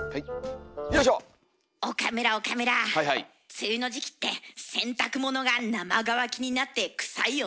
梅雨の時期って洗濯物が生乾きになってくさいよねえ。